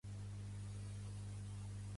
Què va cedir el monarca a la Cort?